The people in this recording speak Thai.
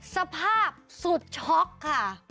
สภาพสุดช็อกค่ะ